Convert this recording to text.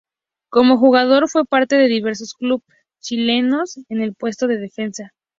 Como jugador fue parte de diversos clubes chilenos en el puesto de defensa.